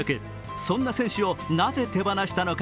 そんな選手をなぜ手放したのか。